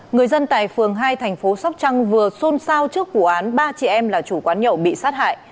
người dân tại phường hai thành phố sóc trăng vừa xôn xao trước vụ án ba chị em là chủ quán nhậu bị sát hại